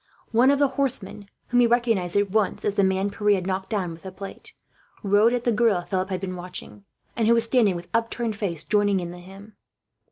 One of the horsemen, whom he recognized at once as the man Pierre had knocked down with the plate, rode at the girl Philip had been watching; and who was standing, with upturned face, joining in the hymn.